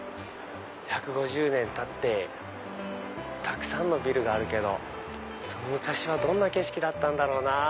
１５０年たってたくさんのビルがあるけどその昔はどんな景色だったんだろうなぁ。